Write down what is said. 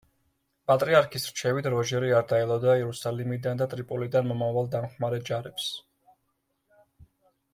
პატრიარქის რჩევით როჟერი არ დაელოდა იერუსალიმიდან და ტრიპოლიდან მომავალ დამხმარე ჯარებს.